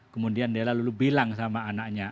kemudian dia lalu bilang sama anaknya